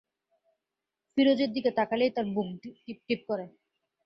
ফিরোজের দিকে তাকালেই তার বুক টিপটিপ করে।